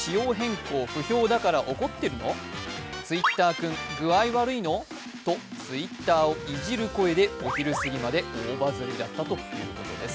これにＳＮＳではと、Ｔｗｉｔｔｅｒをいじる声で、お昼過ぎまで大バズりだったということです。